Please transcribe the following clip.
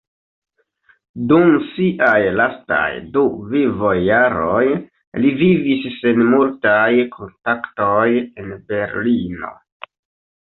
Dum siaj lastaj du vivojaroj li vivis sen multaj kontaktoj en Berlino.